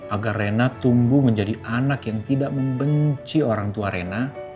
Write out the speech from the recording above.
agar rena tumbuh menjadi anak yang tidak membenci orang tua rena